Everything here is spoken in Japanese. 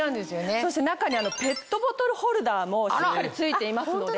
そして中にペットボトルホルダーもしっかり付いていますので。